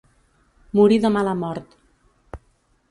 Morir de mala mort.